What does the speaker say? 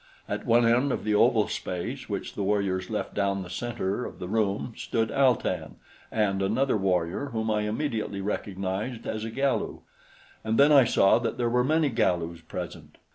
At one end of the oval space which the warriors left down the center of the room stood Al tan and another warrior whom I immediately recognized as a Galu, and then I saw that there were many Galus present.